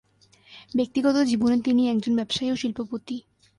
ব্যক্তিগত জীবনে তিনি একজন ব্যবসায়ী ও শিল্পপতি।